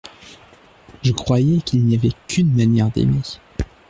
Je croyais qu’il n’y avait qu’une manière d’aimer.